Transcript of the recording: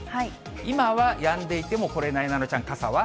今はやんでいても、これ、なえなのちゃん、傘は。